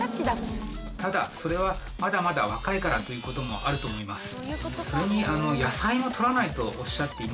ただそれはまだまだ若いからということもあると思います。